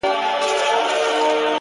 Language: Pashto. o د بل غم تر واوري سوړ دئ!